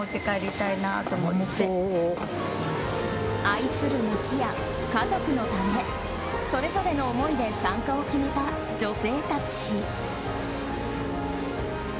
愛する街や家族のためそれぞれの思いで参加を決めた女性たち。